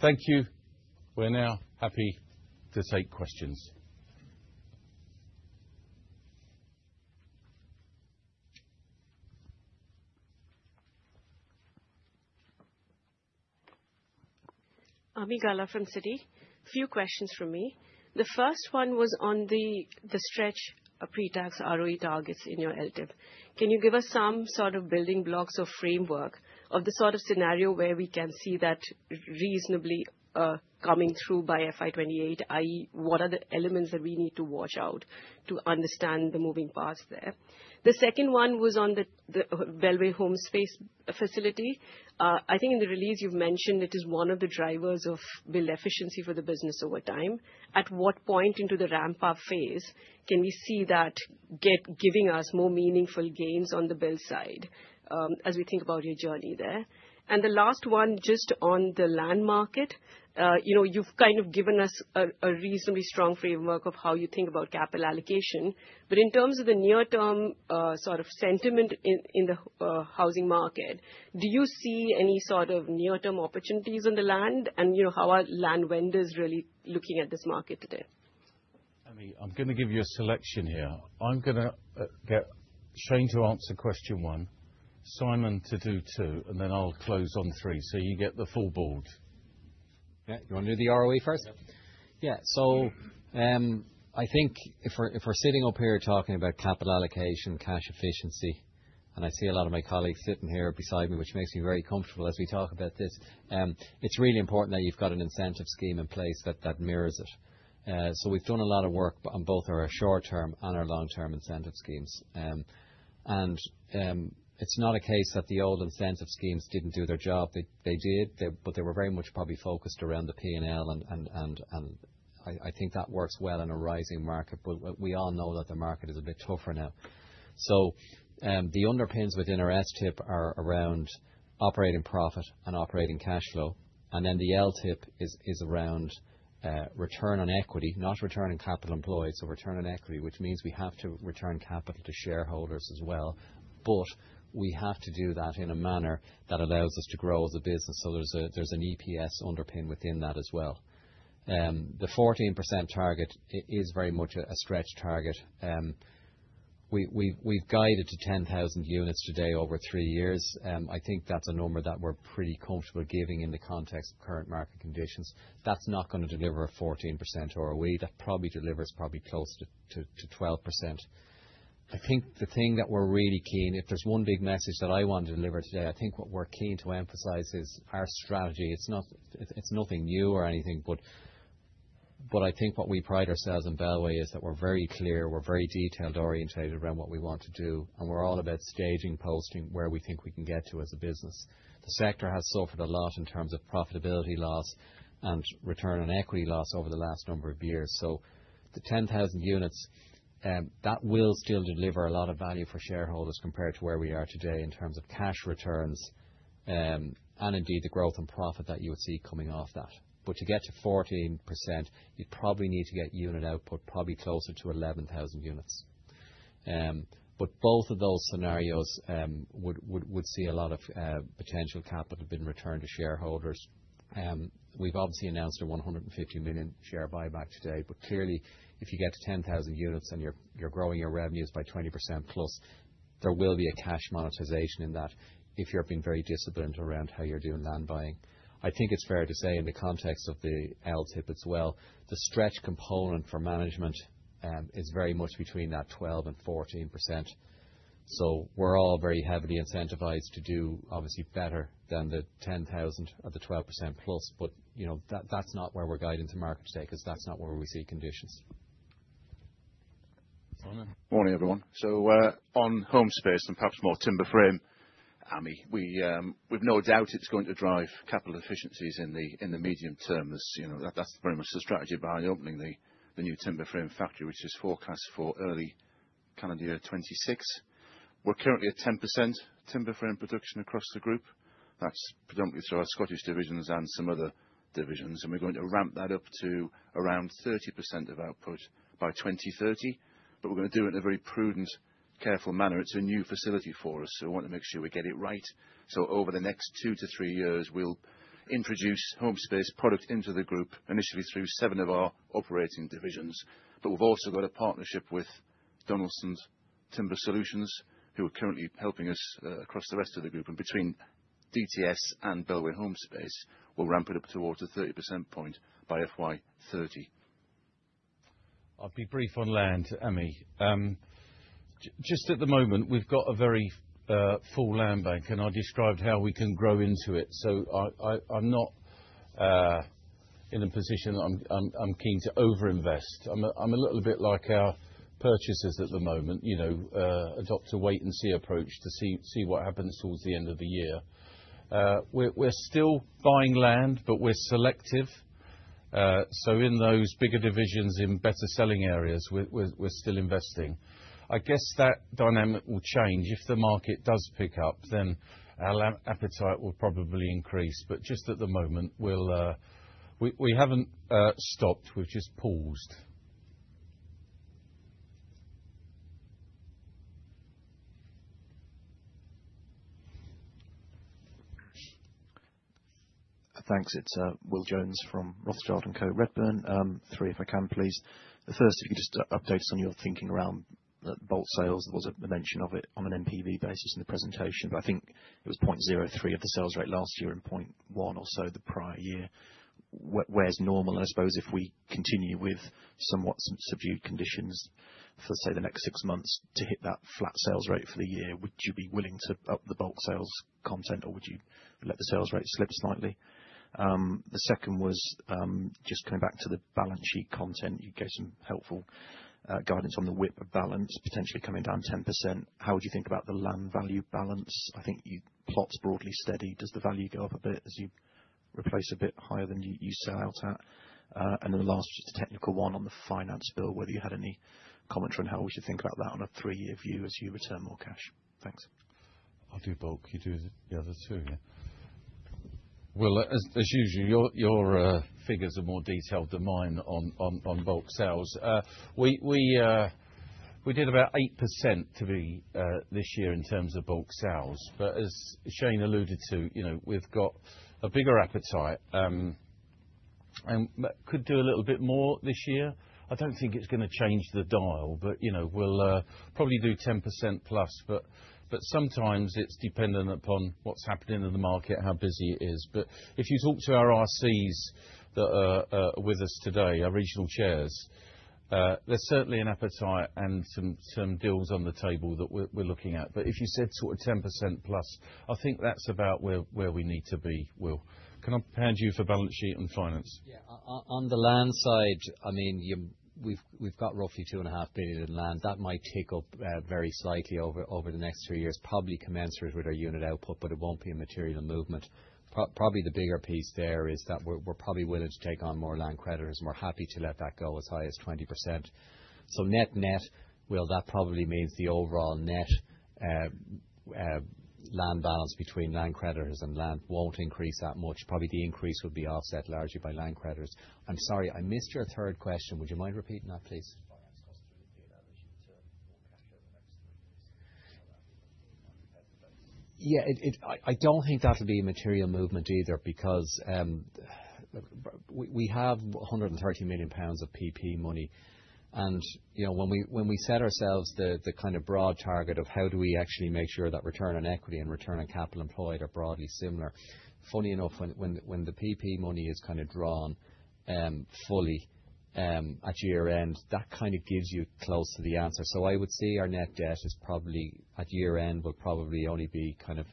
Thank you. We're now happy to take questions. Ami Galla from Citi. Few questions from me. The first one was on the stretch of pre-tax ROE targets in your LTIP. Can you give us some sort of building blocks or framework of the sort of scenario where we can see that reasonably coming through by FY28? I.e., what are the elements that we need to watch out to understand the moving parts there? The second one was on the Bellway Home Space facility. I think in the release you've mentioned it is one of the drivers of build efficiency for the business over time. At what point into the ramp-up phase can we see that giving us more meaningful gains on the build side as we think about your journey there? And the last one, just on the land market, you've kind of given us a reasonably strong framework of how you think capital allocation. But in terms of the near-term sort of sentiment in the housing market, do you see any sort of near-term opportunities on the land? And how are land vendors really looking at this market today? I'm going to give you a selection here. I'm going to get Shane to answer question one, Simon to do two, and then I'll close on three so you get the full Board. Yeah. Do you want to do the ROE first? Yeah. Yeah. So I think if we're sitting up here talking capital allocation, cash efficiency, and I see a lot of my colleagues sitting here beside me, which makes me very comfortable as we talk about this, it's really important that you've got an incentive scheme in place that mirrors it. So, we've done a lot of work on both our short-term and our long-term incentive schemes. And it's not a case that the old incentive schemes didn't do their job. They did, but they were very much probably focused around the P&L. And I think that works well in a rising market, but we all know that the market is a bit tougher now. So, the underpins within our STIP are operating profit and operating cash flow. And then the LTIP is around Return on Equity, not Return on Capital Employed, so Return on Equity, which means we have to return capital to shareholders as well. But we have to do that in a manner that allows us to grow as a business. So there's an EPS underpin within that as well. The 14% target is very much a stretch target. We've guided to 10,000 units today over three years. I think that's a number that we're pretty comfortable giving in the context of current market conditions. That's not going to deliver a 14% ROE. That probably delivers close to 12%. I think the thing that we're really keen, if there's one big message that I want to deliver today, I think what we're keen to emphasize is our strategy. It's nothing new or anything, but I think what we pride ourselves on Bellway is that we're very clear. We're very detail-oriented around what we want to do, and we're all about stating our position where we think we can get to as a business. The sector has suffered a lot in terms of profitability loss and return on equity loss over the last number of years. So, the 10,000 units, that will still deliver a lot of value for shareholders compared to where we are today in terms of cash returns and indeed the growth and profit that you would see coming off that. But to get to 14%, you'd probably need to get unit output probably closer to 11,000 units. But both of those scenarios would see a lot of potential capital being returned to shareholders. We've obviously announced a 150 share buyback today, but clearly, if you get to 10,000 units and you're growing your revenues by 20% plus, there will be a cash monetization in that if you're being very disciplined around how you're doing land buying. I think it's fair to say in the context of the LTIP as well, the stretch component for management is very much between that 12% and 14%. So we're all very heavily incentivized to do obviously better than the 10,000 or the 12% plus, but that's not where we're guiding the market today because that's not where we see conditions. Morning, everyone. So on Home Space and perhaps more timber frame, Ami, we have no doubt it's going to drive capital efficiencies in the medium term. That's very much the strategy by opening the new timber frame factory, which is forecast for early calendar year 2026. We're currently at 10% timber frame production across the Group. That's predominantly through our Scottish divisions and some other divisions. And we're going to ramp that up to around 30% of output by 2030, but we're going to do it in a very prudent, careful manner. It's a new facility for us, so we want to make sure we get it right. So, over the next two to three years, we'll introduce Home Space product into the Group initially through seven of our operating divisions. But we've also got a partnership with Donaldson Timber Systems, who are currently helping us across the rest of the Group. And between DTS and Bellway Home Space, we'll ramp it up towards a 30% point by FY30. I'll be brief on land, Ami. Just at the moment, we've got a very full land bank, and I described how we can grow into it. So I'm not in a position that I'm keen to over-invest. I'm a little bit like our purchasers at the moment, adopt a wait-and-see approach to see what happens towards the end of the year. We're still buying land, but we're selective. So in those bigger divisions in better selling areas, we're still investing. I guess that dynamic will change. If the market does pick up, then our appetite will probably increase. But just at the moment, we haven't stopped. We've just paused. Thanks. It's Will Jones from Rothschild & Co Redburn. Three, if I can, please. The first, if you could just update us on your thinking around bulk sales. There was a mention of it on an NPV basis in the presentation, but I think it was 0.03 of the sales rate last year and 0.1 or so the prior year. Where's normal? And I suppose if we continue with somewhat subdued conditions for, say, the next six months to hit that flat sales rate for the year, would you be willing to up the bulk sales content, or would you let the sales rate slip slightly? The second was just coming back to the balance sheet content. You gave some helpful guidance on the WIP balance potentially coming down 10%. How would you think about the land value balance? I think your plots broadly steady. Does the value go up a bit as you replace a bit higher than you sell out at? And then the last, just a technical one on the finance bill, whether you had any comment on how we should think about that on a three-year view as you return more cash? Thanks. I'll do both. You do the other two, yeah. W`ell, as usual, your figures are more detailed than mine on bolt-on sales. We did about 8% to date this year in terms of bolt-on sales. But as Shane alluded to, we've got a bigger appetite and could do a little bit more this year. I don't think it's going to change the dial, but we'll probably do 10% plus. But sometimes it's dependent upon what's happening in the market, how busy it is. But if you talk to our RCs that are with us today, our Regional Chairs, there's certainly an appetite and some deals on the table that we're looking at. But if you said sort of 10% plus, I think that's about where we need to be, Will. Can I hand over to you for balance sheet and finance? Yeah. On the land side, I mean, we've got roughly 2.5 billion in land. That might tick up very slightly over the next three years, probably commensurate with our unit output, but it won't be a material movement. Probably the bigger piece there is that we're probably willing to take on more land creditors. We're happy to let that go as high as 20%. So net net, Will, that probably means the overall net land balance between land creditors and land won't increase that much. Probably the increase would be offset largely by land creditors. I'm sorry, I missed your third question. Would you mind repeating that, please? Finance costs through the P&L is it to more cash over the next three years? How will that be looking on a comparative basis? Yeah. I don't think that'll be a material movement either because we have 130 million pounds of PP money, and when we set ourselves the kind of broad target of how do we actually make sure that Return on Equity and Return on Capital Employed are broadly similar, funny enough, when the PP money is kind of drawn fully at year-end, that kind of gives you close to the answer, so I would say our net debt is probably at year-end will probably only be kind of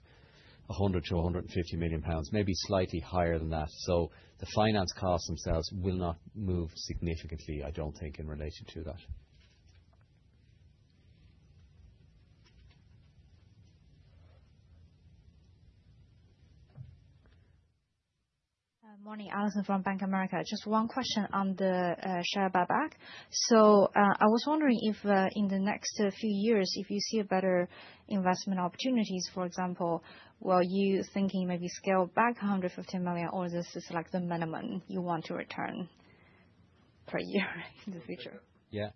100 to 150 million, maybe slightly higher than that. So, the finance costs themselves will not move significantly, I don't think, in relation to that. Morning, Allison from Bank of America. Just one question on share buyback. So I was wondering if in the next few years, if you see better investment opportunities, for example, were you thinking maybe scale back 150 million or is this like the minimum you want to return per year in the future? Yeah.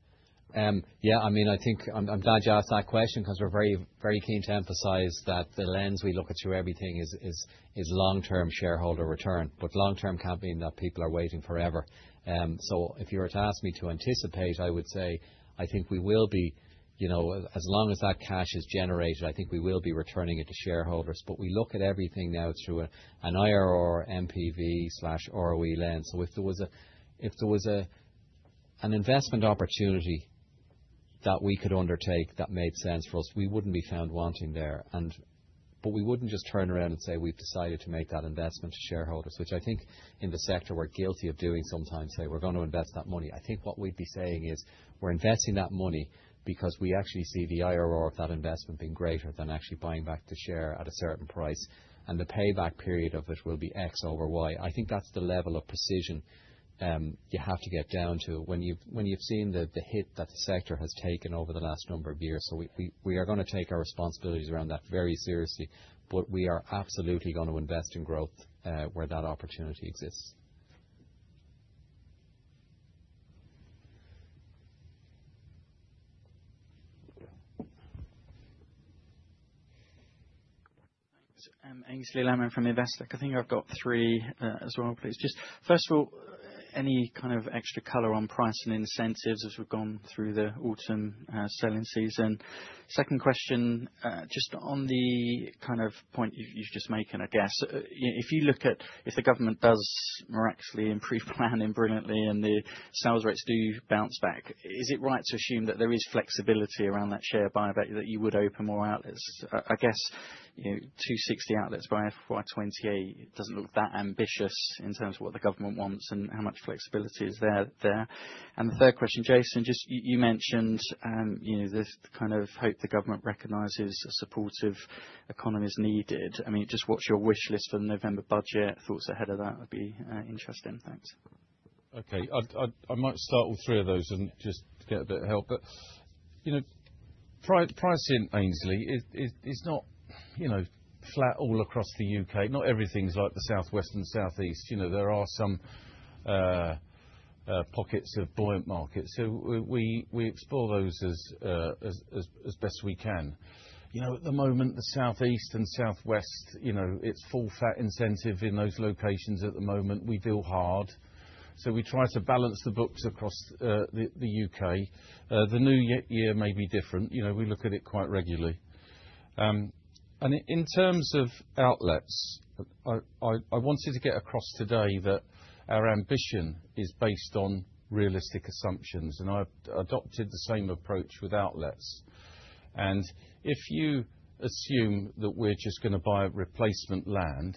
Yeah. I mean, I think I'm glad you asked that question because we're very keen to emphasize that the lens we look at through everything is long-term shareholder Return. But long-term can't mean that people are waiting forever. So if you were to ask me to anticipate, I would say I think we will be, as long as that cash is generated, I think we will be returning it to shareholders. But we look at everything now through an IRR, NPV/RoE lens. So if there was an investment opportunity that we could undertake that made sense for us, we wouldn't be found wanting there. But we wouldn't just turn around and say, "We've decided to make that investment to shareholders," which I think in the sector we're guilty of doing sometimes, say, "We're going to invest that money." I think what we'd be saying is we're investing that money because we actually see the IRR of that investment being greater than actually buying back the share at a certain price. And the payback period of it will be X over Y. I think that's the level of precision you have to get down to when you've seen the hit that the sector has taken over the last number of years. So we are going to take our responsibilities around that very seriously, but we are absolutely going to invest in growth where that opportunity exists. Aynsley Lammin from Investec. I think I've got three as well, please. Just first of all, any kind of extra color on price and incentives as we've gone through the autumn selling season? Second question, just on the kind of point you've just made and I guess, if you look at the Government does miraculously improve planning brilliantly and the sales rates do bounce back, is it right to assume that there is flexibility around share buyback that you would open more outlets? I guess 260 outlets by FY28 doesn't look that ambitious in terms of what the Government wants and how much flexibility is there. And the third question, Jason, just you mentioned this kind of hope the Government recognizes a supportive economy is needed. I mean, just what's your wish list for the November budget? Thoughts ahead of that would be interesting. Thanks. Okay. I might start with three of those and just get a bit of help, but pricing, Aynsley, is not flat all across the U.K. Not everything's like the Southwest and Southeast. There are some pockets of buoyant markets, so we explore those as best we can. At the moment, the Southeast and Southwest, it's full-fat incentive in those locations at the moment. We deal hard, so we try to balance the books across the U.K. The new year may be different. We look at it quite regularly, and in terms of outlets, I wanted to get across today that our ambition is based on realistic assumptions, and I've adopted the same approach with outlets, and if you assume that we're just going to buy replacement land,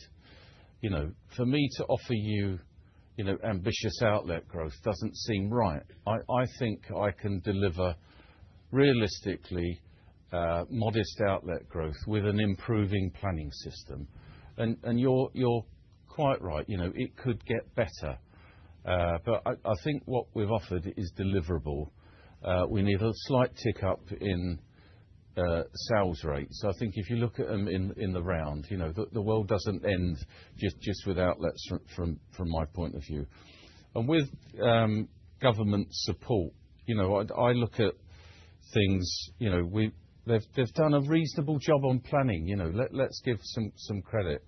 for me to offer you ambitious outlet growth doesn't seem right. I think I can deliver realistically modest outlet growth with an improving planning system, and you're quite right. It could get better, but I think what we've offered is deliverable. We need a slight tick up in sales rates. I think if you look at them in the round, the world doesn't end just with outlets from my point of view, and with Government support, I look at things. They've done a reasonable job on planning. Let's give some credit.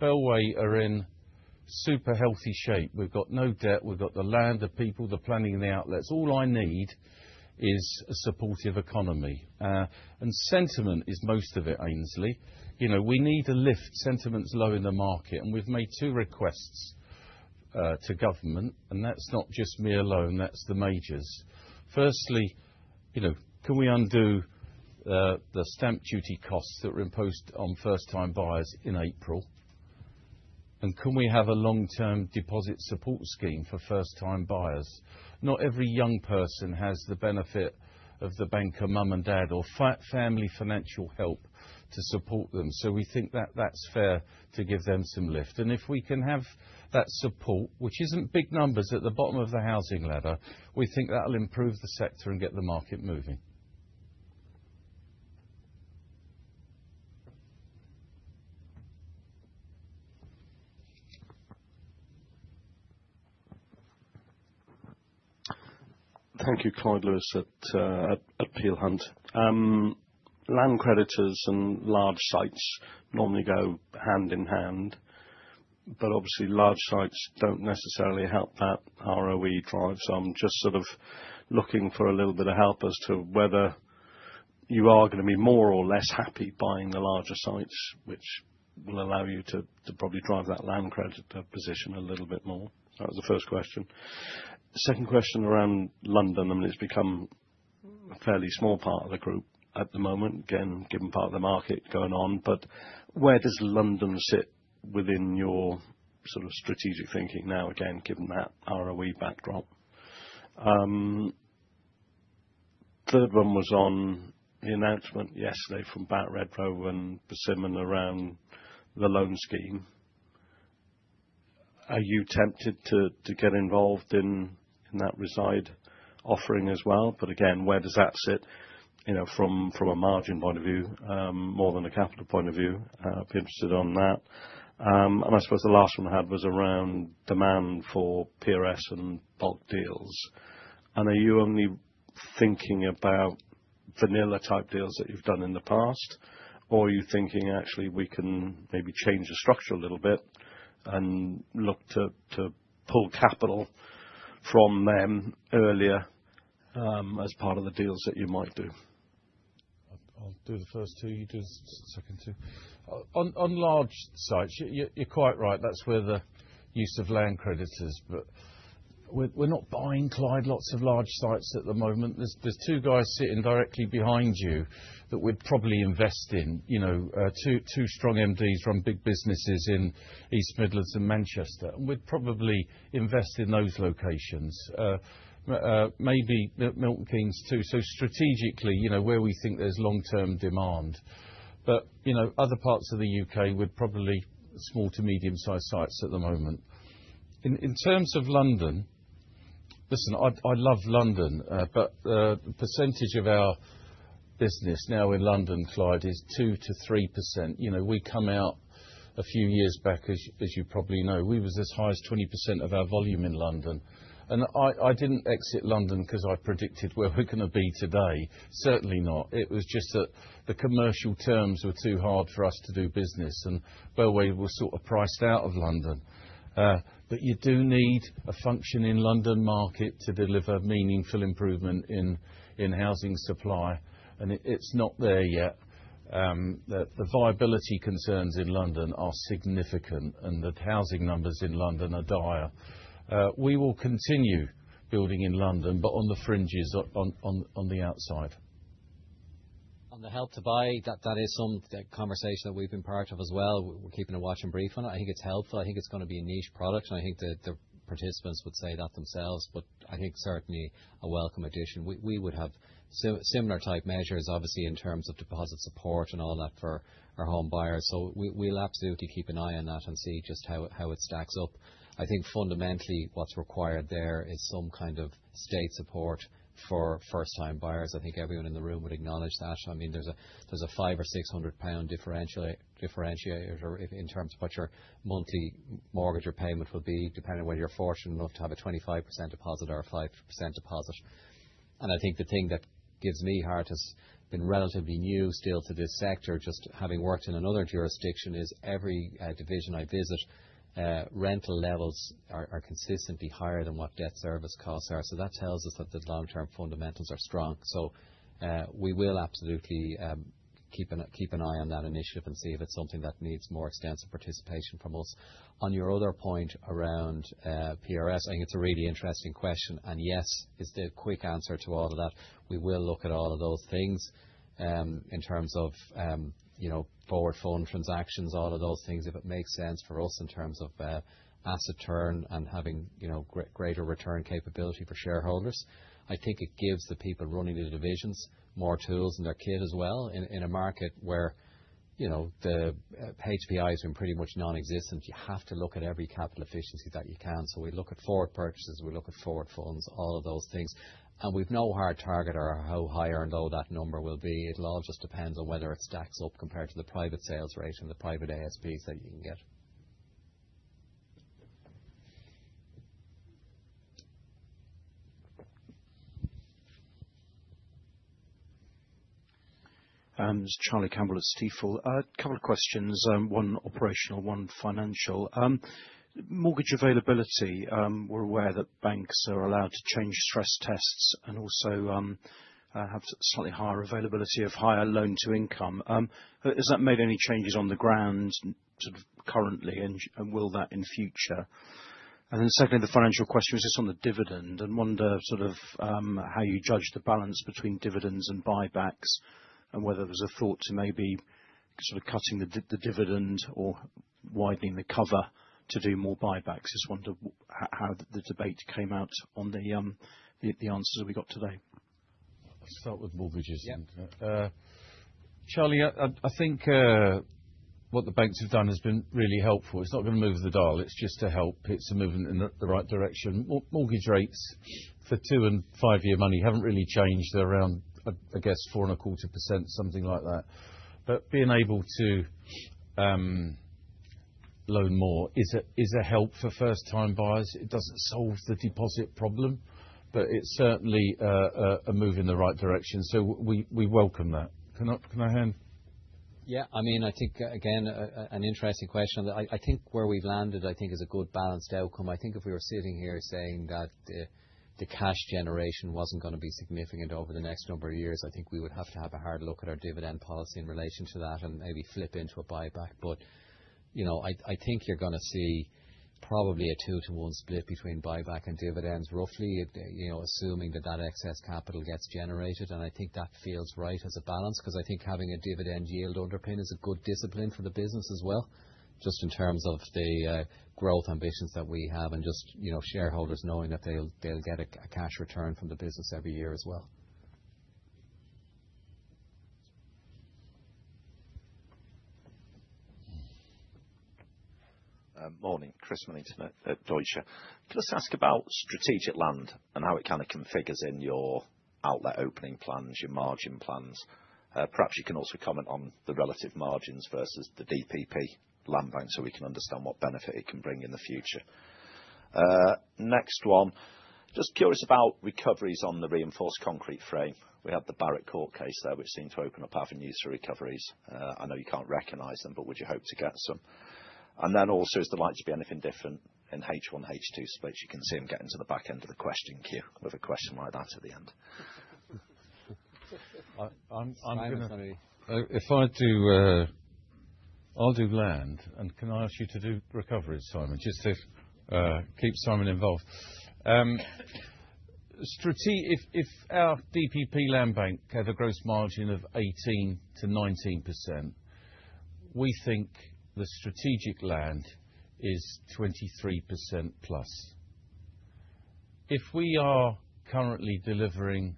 Bellway are in super healthy shape. We've got no debt. We've got the land, the people, the planning, and the outlets. All I need is a supportive economy, and sentiment is most of it, Aynsley. We need a lift. Sentiment's low in the market, and we've made two requests to Government, and that's not just me alone. That's the majors. Firstly, can we undo the stamp duty costs that were imposed on first-time buyers in April? And can we have a long-term deposit support scheme for first-time buyers? Not every young person has the benefit of the Bank of Mum and Dad, or family financial help to support them. So we think that that's fair to give them some lift. And if we can have that support, which isn't big numbers at the bottom of the housing ladder, we think that'll improve the sector and get the market moving. Thank you, Clyde Lewis at Peel Hunt. Land creditors and large sites normally go hand in hand, but obviously large sites don't necessarily help that ROE drive. So I'm just sort of looking for a little bit of help as to whether you are going to be more or less happy buying the larger sites, which will allow you to probably drive that land creditor position a little bit more. That was the first question. Second question around London. I mean, it's become a fairly small part of the Group at the moment, again, given part of the market going on. But where does London sit within your sort of strategic thinking now, again, given that ROE backdrop? Third one was on the announcement yesterday from Barratt Redrow, and Persimmon around the loan scheme. Are you tempted to get involved in that reside offering as well? But again, where does that sit from a margin point of view, more than a capital point of view? I'd be interested in that. And I suppose the last one I had was around demand for PRS and bolt-on deals. And are you only thinking about vanilla-type deals that you've done in the past, or are you thinking actually we can maybe change the structure a little bit and look to pull capital from them earlier as part of the deals that you might do? I'll do the first two. You do the second two. On large sites, you're quite right. That's where the use of land creditors is. But we're not buying, Clyde, lots of large sites at the moment. There's two guys sitting directly behind you that we'd probably invest in. Two strong MDs run big businesses in East Midlands and Manchester. And we'd probably invest in those locations, maybe Milton Keynes too. So strategically, where we think there's long-term demand. But other parts of the U.K. would probably small to medium-sized sites at the moment. In terms of London, listen, I love London, but the percentage of our business now in London, Clyde, is 2% to 3%. We come out a few years back, as you probably know, we were as high as 20% of our volume in London. And I didn't exit London because I predicted where we're going to be today. Certainly not. It was just that the commercial terms were too hard for us to do business, and Bellway was sort of priced out of London. But you do need a function in London market to deliver meaningful improvement in housing supply. And it's not there yet. The viability concerns in London are significant, and the housing numbers in London are dire. We will continue building in London, but on the fringes, on the outside. On the Help to Buy, that is some conversation that we've been part of as well. We're keeping a watching brief on it. I think it's helpful. I think it's going to be a niche product. And I think the participants would say that themselves. But I think certainly a welcome addition. We would have similar type measures, obviously, in terms of deposit support and all that for our home buyers. So we'll absolutely keep an eye on that and see just how it stacks up. I think fundamentally what's required there is some kind of state support for first-time buyers. I think everyone in the room would acknowledge that. I mean, there's a 500 or 600 pound differentiator in terms of what your monthly mortgage or payment will be, depending on whether you're fortunate enough to have a 25% deposit or a 5% deposit. And I think the thing that gives me heart has been relatively new still to this sector, just having worked in another jurisdiction, is every division I visit, rental levels are consistently higher than what debt service costs are. So that tells us that the long-term fundamentals are strong. So we will absolutely keep an eye on that initiative and see if it's something that needs more extensive participation from us. On your other point around PRS, I think it's a really interesting question. And yes is the quick answer to all of that. We will look at all of those things in terms of forward fund transactions, all of those things, if it makes sense for us in terms of asset turn and having greater return capability for shareholders. I think it gives the people running the divisions more tools in their kit as well. In a market where the HPI has been pretty much nonexistent, you have to look at every capital efficiency that you can. So we look at forward purchases. We look at forward funds, all of those things. And we've no hard target or how high or low that number will be. It all just depends on whether it stacks up compared to the private sales rate and the private ASPs that you can get. This is Charlie Campbell at Stifel. A couple of questions. One operational, one financial. Mortgage availability — we're aware that banks are allowed to change stress tests and also have slightly higher availability of higher loan-to-income. Has that made any changes on the ground sort of currently, and will that in future? And then secondly, the financial question was just on the dividend and wonder sort of how you judge the balance between dividends and buybacks and whether there's a thought to maybe sort of cutting the dividend or widening the cover to do more buybacks. Just wonder how the debate came out on the answers we got today. Let's start with mortgages. Charlie, I think what the banks have done has been really helpful. It's not going to move the dial. It's just to help. It's a move in the right direction. Mortgage rates for two- and five-year money haven't really changed. They're around, I guess, 4.25%, something like that. But being able to loan more is a help for first-time buyers. It doesn't solve the deposit problem, but it's certainly a move in the right direction. So we welcome that. Can I hand? Yeah. I mean, I think, again, an interesting question. I think where we've landed, I think, is a good balanced outcome. I think if we were sitting here saying that cash generation wasn't going to be significant over the next number of years, I think we would have to have a hard look at our dividend policy in relation to that and maybe flip into a buyback. But I think you're going to see probably a two-to-one split between buyback and dividends, roughly assuming that excess capital gets generated. And I think that feels right as a balance because I think having a dividend yield underpin is a good discipline for the business as well, just in terms of the growth ambitions that we have and just shareholders knowing that they'll get a cash return from the business every year as well. Morning. Chris Millington at Deutsche. Just ask about strategic land and how it kind of figures in your outlet opening plans, your margin plans. Perhaps you can also comment on the relative margins versus the DPP land bank so we can understand what benefit it can bring in the future. Next one. Just curious about recoveries on the reinforced concrete frame. We had the Barratt court case there, which seemed to open up avenues for recoveries. I know you can't recognize them, but would you hope to get some? And then also, is there likely to be anything different in H1, H2 splits? You can see them getting to the back end of the question queue with a question like that at the end. I'm going to. If I do land, and can I ask you to do recoveries, Simon, just to keep Simon involved? If our DPP land bank had a gross margin of 18% to 19%, we think the strategic land is 23% plus. If we are currently delivering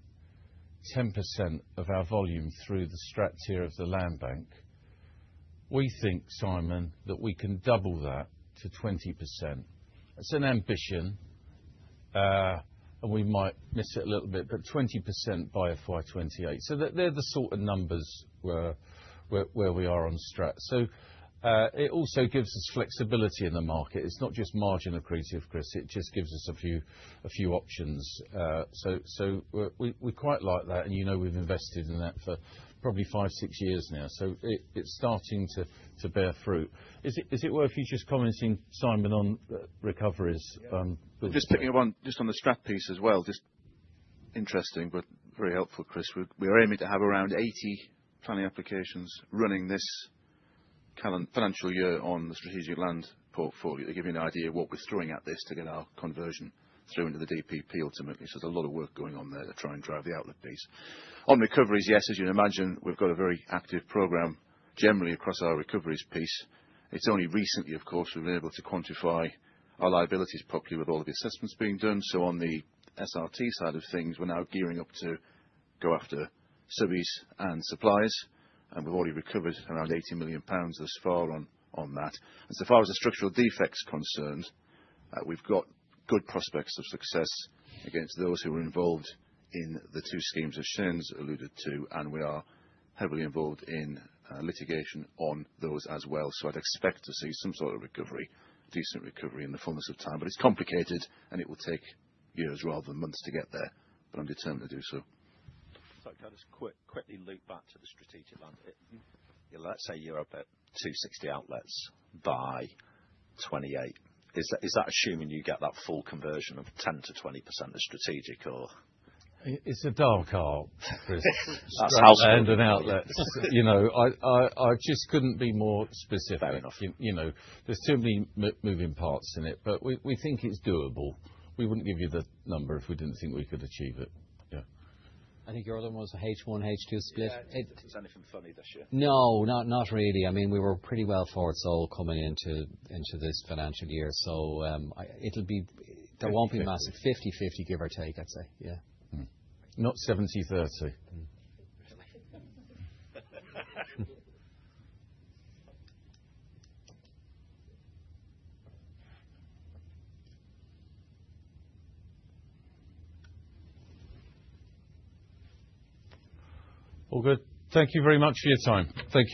10% of our volume through the strat tier of the land bank, we think, Simon, that we can double that to 20%. It's an ambition, and we might miss it a little bit, but 20% by FY28. So, they're the sort of numbers where we are on strat. So it also gives us flexibility in the market. It's not just margin accretive, Chris. It just gives us a few options. So we quite like that. And you know we've invested in that for probably five, six years now. So it's starting to bear fruit. Is it worth you just commenting, Simon, on recoveries? Just picking up on just on the strat piece as well. Just interesting, but very helpful, Chris. We are aiming to have around 80 planning applications running this financial year on the strategic land portfolio. They give you an idea of what we're throwing at this to get our conversion through into the DPP ultimately. So there's a lot of work going on there to try and drive the outlet piece. On recoveries, yes, as you'd imagine, we've got a very active program generally across our recoveries piece. It's only recently, of course, we've been able to quantify our liabilities properly with all of the assessments being done. So on the SRT side of things, we're now gearing up to go after subbies and suppliers, and we've already recovered around 80 million pounds thus far on that. And so far as the structural defects concerned, we've got good prospects of success against those who were involved in the two schemes that Shane's alluded to. And we are heavily involved in litigation on those as well. So, I'd expect to see some sort of recovery, decent recovery in the fullness of time. But it's complicated, and it will take years rather than months to get there. But I'm determined to do so. So, I'll just quickly loop back to the Strategic Land. Let's say you're up at 260 outlets by 2028. Is that assuming you get that full conversion of 10% to 20% of strategic or? It's a dark art, Chris. How so? Strengthened outlets. I just couldn't be more specific. Fair enough. There's too many moving parts in it, but we think it's doable. We wouldn't give you the number if we didn't think we could achieve it. Yeah. I think your other one was the H1, H2 split. Yeah. Was anything funny this year? No, not really. I mean, we were pretty well forward sold coming into this financial year. So it'll be, there won't be massive 50-50, give or take, I'd say. Yeah. Not 70-30. All good. Thank you very much for your time. Thanks.